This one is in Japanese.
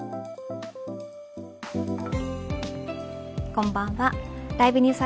こんばんは。